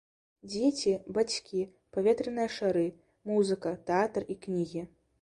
Дзеці, бацькі, паветраныя шары, музыка, тэатр і кнігі.